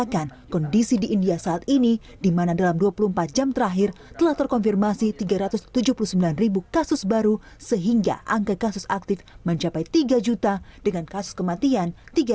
pertama dan terakhir telah terkonfirmasi tiga ratus tujuh puluh sembilan ribu kasus baru sehingga angka kasus aktif mencapai tiga juta dengan kasus kematian tiga enam ratus empat puluh enam